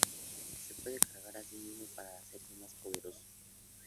Se puede cargar a sí mismo para hacerse más poderoso.